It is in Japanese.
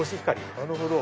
なるほど。